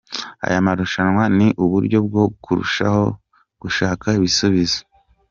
Aya maruashanwa ni uburyo bwo kurushaho gushaka ibisubizo.